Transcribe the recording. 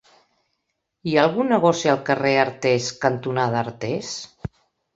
Hi ha algun negoci al carrer Artés cantonada Artés?